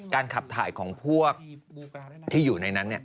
ขับถ่ายของพวกที่อยู่ในนั้น